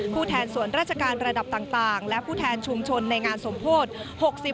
ผู้แทนส่วนราชการระดับต่างและผู้แทนชุมชนในงานสมโพธิ